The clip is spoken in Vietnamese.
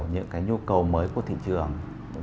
những cái nhu cầu mới của thị trường